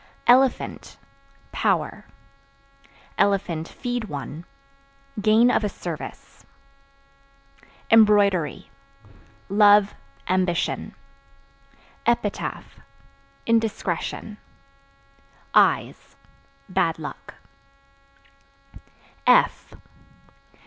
Elephant Power; (feed one) gain of a service. Embroidery Love, ambition. Epitaph Indiscretion. Eyes Bad luck.